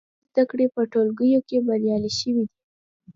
د ژبې زده کړې په ټولګیو کې بریالۍ شوي دي.